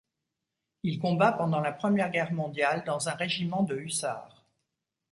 Il combat pendant la première guerre mondiale dans un régiment de hussards.